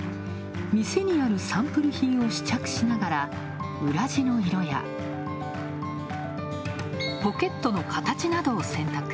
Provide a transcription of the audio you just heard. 店にあるサンプル品を試着しながら、裏地の色や、ポケットの形などを選択。